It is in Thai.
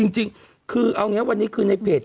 จริงคือเอาอย่างนี้วันนี้คือในเพจ